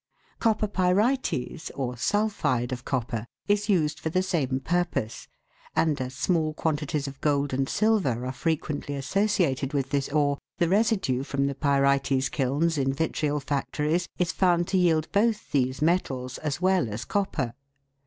Copper pyrites, or sulphide of copper, is used for the same purpose, and as small quantities of gold and silver are frequently associated with this ore, the residue from the pyrites kilns in vitriol factories is found to yield both these metals as well as copper.